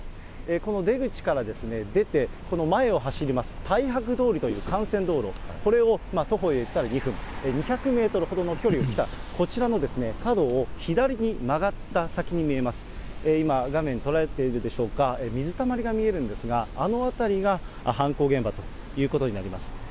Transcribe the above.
この出口から出て、前を走ります大博通りという幹線道路、これを徒歩でいったら２分、２００メートルほどの距離を来たこちらのですね、角を左に曲がった先に見えます、今、画面捉えているでしょうか、水たまりが見えるんですが、あの辺りが犯行現場ということになります。